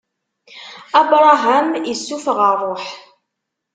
Abṛaham issufeɣ ṛṛuḥ.